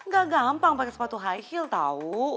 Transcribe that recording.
gak gampang pakai sepatu high heel tau